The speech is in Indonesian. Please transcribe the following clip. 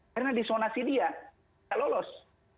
karena disonasi dia bisa lolos